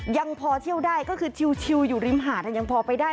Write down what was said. ยังพอเที่ยวได้ก็คือชิวอยู่ริมหาดยังพอไปได้